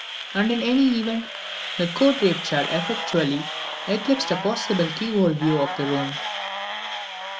And in any event, the coat draped chair effectually eclipsed a possible keyhole view of the room.